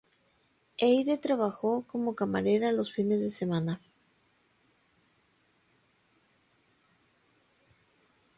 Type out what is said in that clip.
Eyre trabajó como camarera los fines de semana.